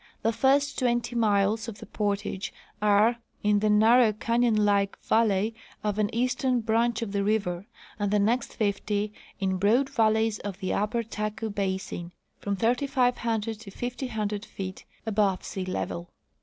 The first twenty miles of the portage are in the narrow canyon like valley of an eastern branch of the river, and the next fifty in broad valleys of the upper Taku basin, from 3,500 to 5,000 feet above sea level.